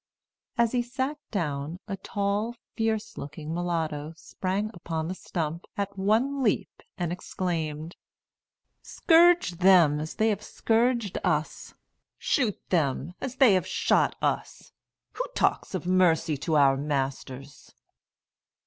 As he sat down, a tall, fierce looking mulatto sprang upon the stump, at one leap, and exclaimed: "Scourge them, as they have scourged us. Shoot them, as they have shot us. Who talks of mercy to our masters?"